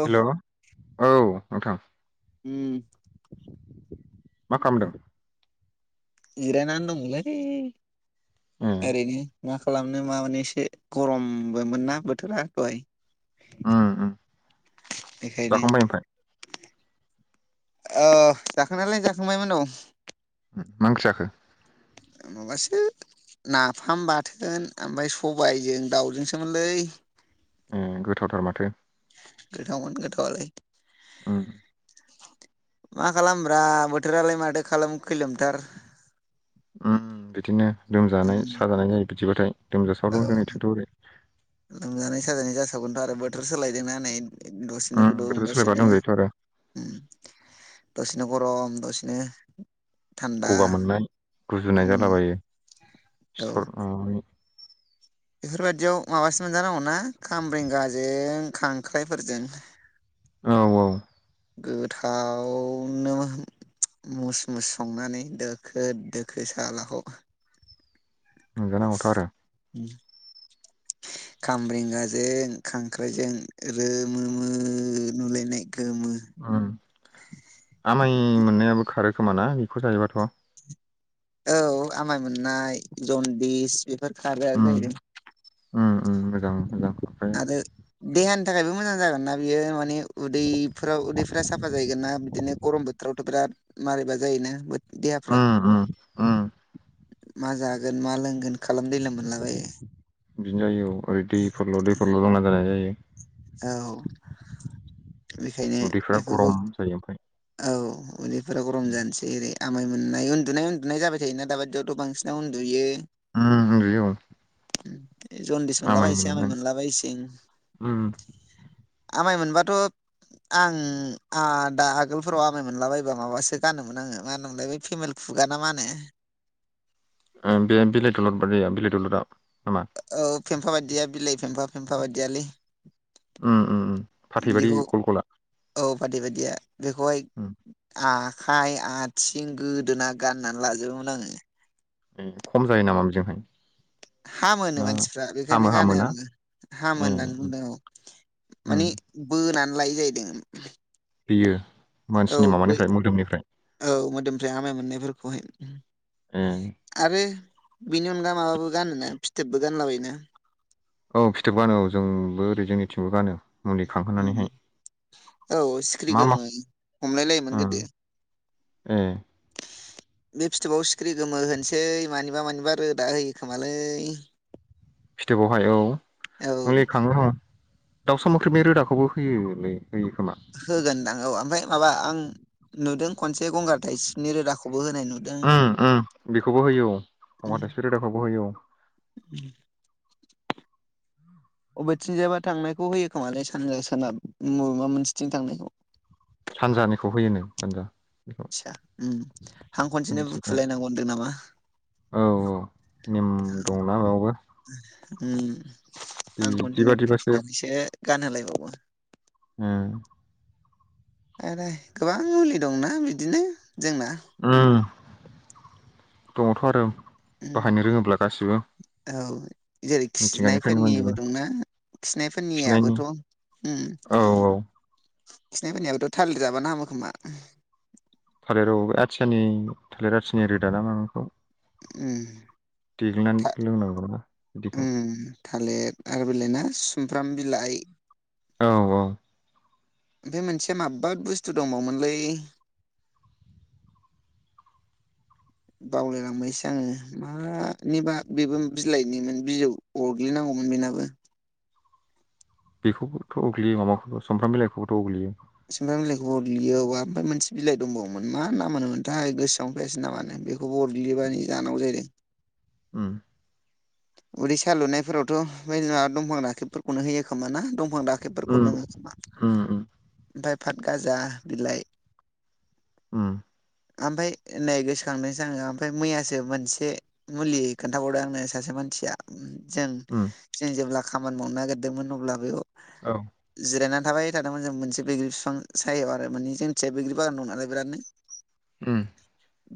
औ हेलौ औ नोंथां। उम मा खालामदों? जिरायनानै दंमोनलोयै ए ओरैनो। मा खालामनो मा मानो एसे गरमबोमोन ना बोथोरा दहाय। उम उम बेखायनो जाखांबाय ओमफ्राय ओ जाखांनायालाय जाखांबायमोन औ मां ओंख्रि जाखो? माबासो नाफाम बाथोन ओमफ्राय सबायजों दाउजोंसोमोनलै। ओं गोथावथार माथो। गोथावमोन गोथावालाय। ओं मा खालामब्रा बोथोरालाय माथो खालाम खैलोमथार। उम बिदिनो लोमजानाय साजानाय जायो बिदिबाथाय। लोमजासावदों औ जोंनिथिंथ' ओरै लोमजानाय जासावगोनथ' आरो बोथोर सोलायदों ना नै दसेनो उम गुदुं बोथोर सोलायबा दसेनो लोमजायोथ' आरो उम दस नो गरम दसेनो थान्दा गगा मोननाय गुजुनाय जालाबायो औ सिथर ओं बेफोरबायदियाव माबासो मोनजानांगौनाा खामब्रेंगाजों खांख्रायफोरजों। औ औ गोथावनो मुस मुस संनानै दोखो दोखो सालाखौ। मोनजानांगौथ' आरो [inaudible] खामब्रेंगाजों खांख्राइजों रोमो मो नुलायनाय। गोमो आमाइ मोननायाबो खारो खोमा ना बेखौ जायोबाथ'। औ आमाय मोननाय जनदिस बेफोर खारो आरो उम जाहैदों। उम उम मोजां मोजां ओमफ्राय आरो देहान थाखायबो मोजां जागोन नना बियो मानिे उदैफोराव उदैफ साफा जाहगोन ना बिदिनो गरम बोथोरावथ' बिराद मारबा जायोना देहाफ्रा उम उम उम मा जागोन मा लोंगोन खालाम दैला मोनलाबायो बिदिनो जायो ओरै दैफोरल' दैफोरल' लंना जानाय जायो औ बेखायनो उदैफ्रा बेफोरखौ गरम जायो ओमफ्राय औ गदैफ्रा गरम जानोसै ओरै आाय मोननाय उन्दुनाय उन्दुनाय जाबाय थायोना दाबायदियावथ' बांसिन उन्दुयो ओम उन्दुयो जनदिस मोनलाबायसै आमाय मोनलाबायसै उम आमाय मोनबाथ' आं दा आगोलफोराव आमाय मोनला बायोबा माबासो गानोमोन आङो मा होनोमोनलाय बे फेमिलि फुग ना मानो ओम बे बिलाइ दलद बायदिया बिलाइ दलदा औ फेमफा बायदिया बिलाइ फेमफा-फेमफा बायदियालै। उम उम उम फाथैबारि बिदिखौ गल गला औ फाथै बादिया बेखौहाय उम आ खाय आथिं गोदोना गाननानै लाजोबोमोन आङो खम जायो नामा बेजोंहाय? हामो होनो ना मानसिफ्रा हामो बेखायनो हामो गानो ना आङो हामो ए होननानै उम बुंदों औ माने बोनानै लायो जाहैदों बियो। औ बै औ मोदोमनिफ्राय आमाय मोननायफोरखौहाय। ए आरो बेनि अनगा माबाबो गानोना फिथोबबो गानलाबायोना औ फिथोब गानो औ जोंबो ओरै जोंनिथिंबो गानो। मुलि खांहोनानैहाय औ सिख्रि मा मा गोमोन हमलाय लायोमोन गोदो। ओ। [inaudible] बे फिथोबाव सिख्रि गोमो होनोसै मानिबा मानिबा रोदा होयो खोमालै। फिथोबावहाय औ [unintelligible] खाङोहो दाउसा मोख्रेबनि रोदाखौबो होयोलै। होयो खोमा होगोनदां औ ओमफाय माबा आं नुदों खनसे गंगार थाइसिनि रोदाखौ उम उम बेखौबो होयो औ गंगार थाइसिब रोदाखौबो होयो औ [unintelligible] अबेथिंजायबा थांनायखौ होयो खोमालै सानजा सोनाब मबेबा मोनसेथिं थांनायखौ। सानजानिखौ होयो नो सानजा। बेखौ इसा हां खनसेनो सानजा बुखुलायनांगौ होनदों नामा? औ औ नेम दंना बावबो। ओम हांखनसेनो बादिबासो बुंखुनानैसो गानहोलायबावो। उम आरो गोबां मुलि दंना बिदिनो जोंना ओम दङथ' आरो उम बाहायनो रोङोब्ला गासिबो औ जेरै मिथिंगानिफ्रायनो खिनायफोरनिबो मोनजोबो दंना खिनायनि खिनायफोरनियाबोथ' उम औ [inaudible] खिनाय फोरनियाबोथ' थालिर जाबानो हामो खोमा थालिराव आथियानि थालिर आथियानि रोदा ना माखौ? उम था देग्लिनानै लोंनांगौ ना बिदैखौ उम थालिर आरो बिलायना सुमफ्राम बिलाइ औ औ। ओमफ्राय मोनसेया माबबा बुस्थु दंबावोमोनलै? बावलायलांबायसो आङो मानिबा बेबो बिलाइनिमोन बिजौ अरग्लिनांगौ मोन बेनाबो बेखौबोथ' उग्लैयो माबाखौबो सामफ्राम बिलाइखौबोथ' उग्लैयो। सामब्राम बिलाइखौबो अग्लियो [unintelligible] मोनसे बिलाइ दंबावोमोन मा नाम मोनथाय गोसोआवनो फैयासै नामानो। बेखौबो अरग्लिबादि जानांगौ जाहैदों। ओम। उदै सालुनायफोरावथ' दंफां राखेबफोरखौनो होयो खोमा ना दं? [unintelligible] दाखेबफोरखौ उम लोङो खोमा? उम उम ओमफफ्राय फात गाजा बिलाइ। ओम ओमफाय नै गोसोखांदोंसो आङो ओमफ्राय मैयासो मोनसे मुलि खोनथाबावदों आंनो सासे मानसिया जों उम जों जेब्ला खामानि मावनो नागिरदोंमोन अब्ला औ बेयाव जिरायनान थाबाय थादोंमोन जों मोनसे बैग्रि बिफां सायाव आरो माने जोंथिजाय बैग्रि बागान दं नालाय बिरादनो। उ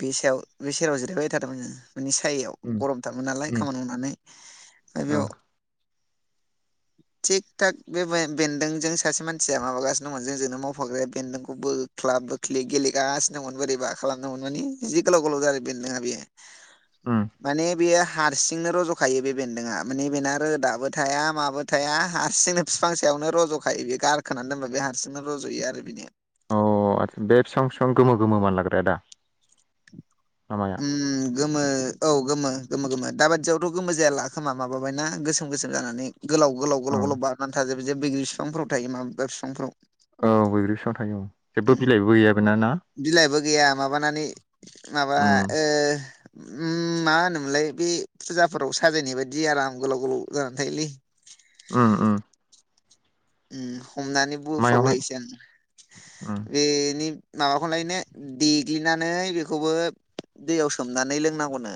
बे सायाव बे सेरायाव जिरायबाय थादोंमोनङो मानानि सायायाव उम गरम थारमोन नालाय उम खामानि मावनानै औ बेयाव [inaudible] थिग थक बे बेन्दोंजों सासे मानसिया माबागासिनो दंमोन जोंजोंनो मावफाग्राया बेन्दोंखौबो बोख्लाब बोखलिब गेलेगासिनोमोन बोरैबा खालामदोंमोन मानानि जि गोलाव गोलाव जादों बेदोंङा बेयो उम माने बेैया हारसिंनो रज'खायो बे बेन्दोंआ माने बेना रोदाबो थाया माबो थाया हारसिंनो बिफां सायाव रज'खायो बेयो गारखोनानै दोनबा बे हारसिंनो रज'यो आरो बिनि अ आसा बे बिसेबां बिसेबां गोमो गोमो मान लाग्राया आदा ओम गोमो औ गोमो गोमो गोमो दााबादियावथ' गोमो जायाला खोमा माबाबायना गोसोम गोसोम जानानै गोलाव गोलाव औ गोलाव गोलाव बारनानै थाजोबबाय जे बैग्रि बिफांफोराव थायो माबा बिफांफोराव औ बैग्रि बिफांयाव थायो औ जेबो बिलाइबो गैया बेना ना बिलाइबो गैया माबानानै माबा उम मा होनोमोनलाय बे फुजाफोराव साजायनाय बायदि आराम गोलाव गोलाव जानानै थायोलै उम उम उ हमनानै मायावहाय बुंफ्रावलायसो आं उम बेनि माबाखौ लायनो देग्लिनानै बेखौबो दैयाव सोमनानै लोंनांगौनो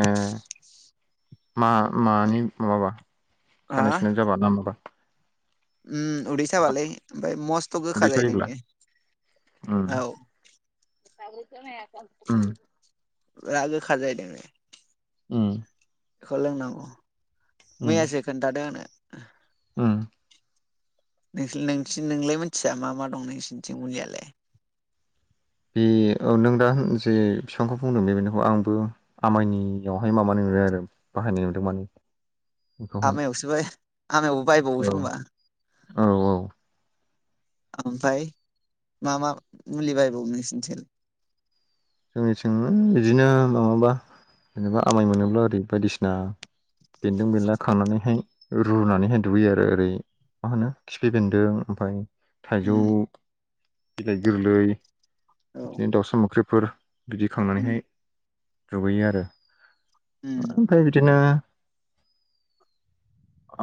ए मा मानि माबा हा सानाय सुनाय जाबा ना माबा उम उदै साबालाय ओमफ्राय मस्थ' गोखा उदै जायो सायोब्ला नो औ उ ला गोखा जाहैदों उ बेखौ लोंनांगौ मैयासो खोन्थादों आंनो ओ नों नों नोंलाय मिथिया मा मा दं नोंसिोरनिथिं मुलियालाय बे नों दा जे बिफांखौ बुंदों बेखौ आंबो आमायनियावहाय मा मानो आरो बाहायनाय नुदों मान आमायावसो बाय आमायावबो औ बायबावोसो होनबा औ औ ओमफफ्राय मा मा मुलि बायबावो नोंसनिथिं जोंनिथिंनो बिदिनो माबाबा जेनेबा आमाय मोनोब्ला ओरै बायदिसिना बेन्दों बेनला खांनानैहाय रुनानैहाय दुगैयो आरो ओरै मा होनो खिफि बेन्दों ओमफ्राय थाइजौ उम बिलाइ गोरलै औ बिदिनो दाउसा मोख्रिफोर बिदि उम खांनानैहाय दुगैयो आरो उम ओमफ्राय बिदिनो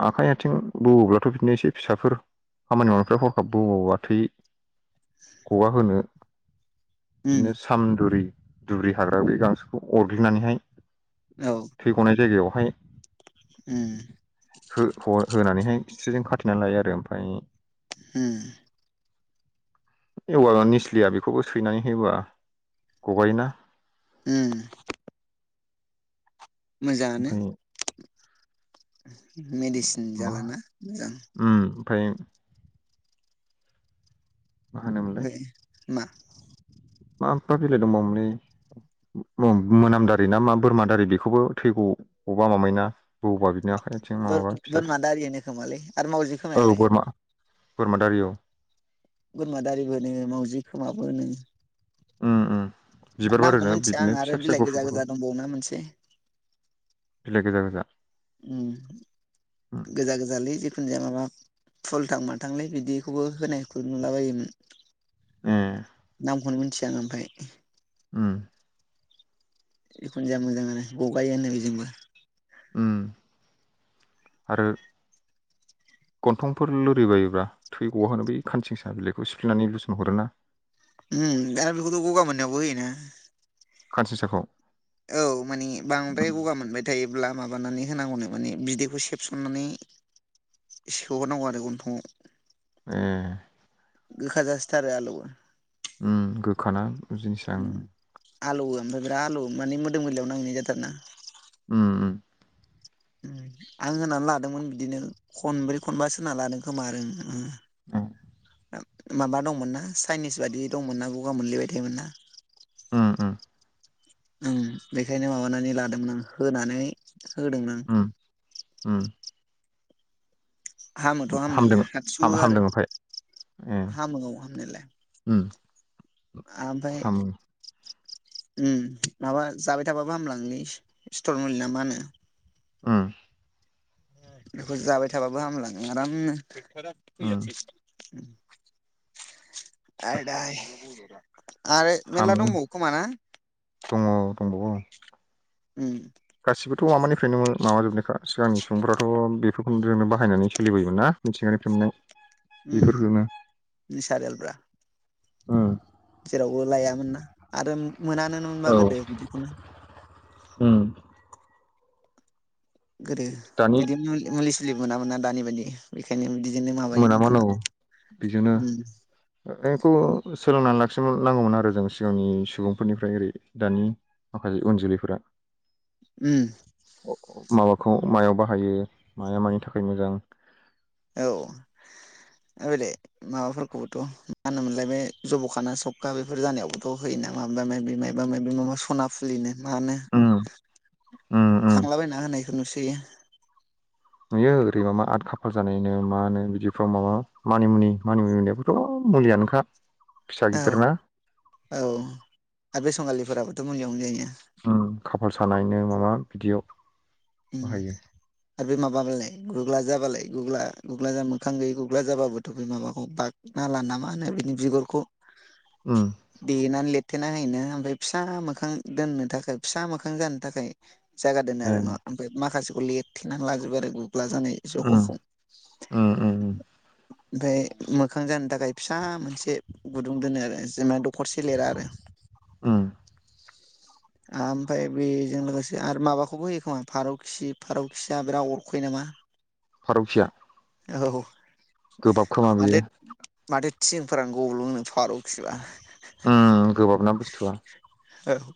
आखाइ आथिं बोब्लाथ' बिदिनो एसे फिसाफोर खामानि मावनायनिफ्राय हरखाब बौबा थै गगा होनो बिदिनो उम सामदुरि दुबि् हाग्रा बे गांसोखौ अरग्लिनानैहाय औ थै ग'नाय जायगायावहाय उम होनानैहाय स्रिजों खाथेनानै लायो आरो ओमफ्राय ह एवार निस्लिया बेखौबो सैनानै होबा गगायोना उम मोजाङानो ओमफ्राय मेडिसिन जालाना मोजां फै मा बे मा माफ्रा बिलाइ दंबावमोनलै मोनामदारि ना मा बोरमादारि बेखौबो थैगौ गबा माबायो ना बबा बिनि आखाइ आथिं माबाबा फिसा बोरमा दारि होनो खोमालै आरो मावजि फिसा औ खोमायालाय बोरमा बोरमादारियाव बोरमा दारिबो नोङो मावाउजि खोमाबो होने उम उम बिबार नामखौ बारोनो मोनथिया बिदिनो आं आरो फिसा फिसा बिलाइ गुफुर गोजा गुफुर गोजा दंबावोन मोनसे बिलाइ गोजा गोजा उम उम गोजा गोजालै जिखुनु जाया माबा फुलथां माथांलाय बिदिखौबो होनायखौ नुलाबायायोमोन ए नामखौनो मिथिया आङो ओमफफ्राय उम जिखुनु जाया मोजांङानो गगायो होनो बेजोंबो उम आरो गन्थंफोर लोरिबायोब्ला थै गवा होनो बै खानथिंसा बिलाइखौ सिफ्लेनानै लुसन हरोना उम दा बेखौथ गगा मोननायावबो होयोना खानसिसाखौ औ मानि बांद्राय गगा मोनबाय थायो अब्ला माबानानै होनांगौनो माने बिदैखौ सेबसननानै एसे सौहरनांगौ आरो गन्थंआव ए गोखा जासोथारो आलौवो उम गोखाना उम आलौवो ओमफ्राय बिराद आलौवो माने मोदोम गोरलैयाव नांनाय जाथारोना उम उम उम आं होनानै लादोंमोन बिदिनो खनब्रै खनबासो होना लादों खोमा आरो उम माबा दंमोनना चाइनिस बायि दंमोनना गगा मोनलि बाय थायमोन ना उम उम उम बेखायनो माबानानै लादोंमोन आं होनानै होदों नों उम उम हामोथ' हामनायालाय हामदों हातसिउवो हाम आरो हामदों ओमफ्राय ए हामो हामनायालाय उम आमफाय हामो उम माबा जाबाय थाबाबो हामलांलै स्टर मुलि ना मा होनो उम बेखौ जाबाय थाबाबो हामलाङो आरामनो उम फैयाै [inaudible] आरो मेरला हामो दंबावो खोमा ना? दङ दंबावो उम गासिबोथ' माबानिफ्रायनो माबाजोबनायखा सिगांनि सुबुंफोरा्राथ' बेफोरखौ जजोंनो बाहायनानै सोलिबोयोमोन ना मिथिंगानि फेमनाय उम नेसारेलब्रा अ जेरावबो लायामोन ना आरो मोनानोमोनबा औ गोदो बिदिखौनो उम गोदो दानि बिदि मुलि सुलि मोनामोना दानि बायदि बेखायनो बिदि मोनामोन अ बिजोंनो उम एक सोलोंनानै लाखि नांगौमोन आरो जों सिगांनि सुबुंफोरनिफ्राय ओरै दानि माखासे उन जोलैफोरा उम अ माबाखौ मायाव बाहायो माया मानि थाखाय मोजां औ आरो बेले माबाफोरखौबोथ' मा होनोमोनलाय बे जब'खाना सबखा बेफोर जानायावबोथ' होयो माबा माबि मायबा माबि माबा सना फुलिनो मानो उम उम उम खांलाबायना होनायखौ नुसोयो नुयो ओरैबा मा आद खाफाल जानायनो मानो बिदिफ्राव माबा मानिमुनि-मानिमुनि नायबोथ' मुलियानोखा फिसा औ गिदिरना औ आर बे संगालिफोराबोथ' मुलियावनो य ओं खाफाल सानायनो माबा बिदियाव उम बाहायो आरो माबाबालाय गुग्ला जाबालाय गुग्ला-गुग्ला जा मोखां गैयै गुग्ला जाबाबोथ' बे माबाखौ बा नाला ना मा होनो बिनि बिगुरखौ उम देनानै ले थेना हैनो ओमफाय फिसा मोखां दोननो थाखाय फिसा मोखां जानो थाखाय जागा दोनो आरो उम न' ओमफाय माखासेखौ लिरथेना लाग्रोबाय आरो ला जानाय ज'हखौ उम उम उम ओमफाय मोखां जानो थाखाय फिसा मोनसे गुदुं दोनो आरो जेनाद' हरसे लिरा आरो उम आमफाय बेजों लोगोसे आरो माबाखौबो होयो खोमा फारौखि फारौखिया बिराद अरखय नामा मा फारौखिया औ गोबाब खोमा माथो बियो माथो थिंफोरानो गब्लंनो फारौखिबा उम गोबाबना बुस्थुआ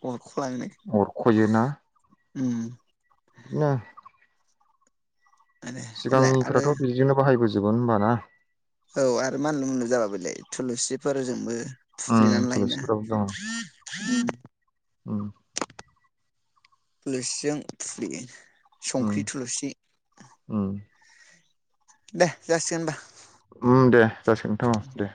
औ अरख'यो ना उम ना आरो बेलाय आरो सिगांनिफोराथ' बिदिनो बाहायबोजोबो होमबा ना औ आरो मानलु मलु जाबाबोलाय थुलुसिफोरजोंबो उम थुफ्लेनानै लायोना थुलुसिफोराबो दङ उम थुलुसिजों थुफ्लेयो उम संख्रि थुलुसि उम दे जासिहोनबा उम दे जासिगोनथां दे